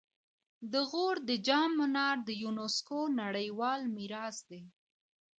د غور د جام منار د یونسکو نړیوال میراث دی